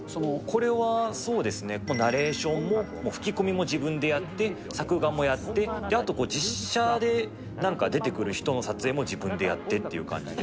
これは、そうですね、ナレーションも吹き込みも自分でやって、作画もやって、あと実写でなんか出てくる人の撮影も自分でやってっていう感じで。